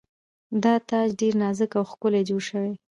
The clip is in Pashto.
دا تاج ډیر نازک او ښکلی جوړ شوی و